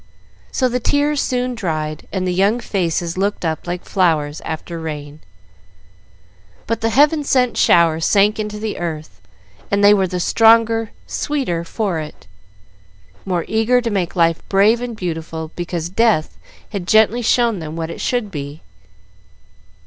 So the tears soon dried, and the young faces looked up like flowers after rain. But the heaven sent shower sank into the earth, and they were the stronger, sweeter for it, more eager to make life brave and beautiful, because death had gently shown them what it should be.